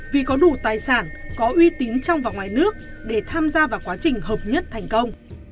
vì có đủ tài sản có uy tín trong và ngoài nước để tham gia vào quá trình hợp nhất thành công